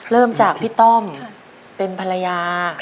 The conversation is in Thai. เริ่มจากพี่ต้อมเป็นภรรยา